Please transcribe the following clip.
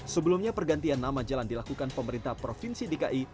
sebelumnya pergantian nama jalan dilakukan pemerintah provinsi dki